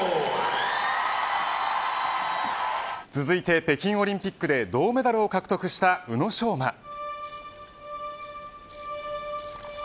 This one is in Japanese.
続いて北京オリンピックで銅メダルを獲得した宇野昌磨。